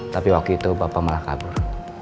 tapi waktu itu bapak malah kabur